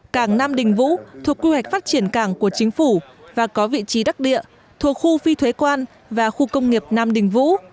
cảng nam đình vũ thuộc quy hoạch phát triển cảng của chính phủ và có vị trí đắc địa thuộc khu phi thuế quan và khu công nghiệp nam đình vũ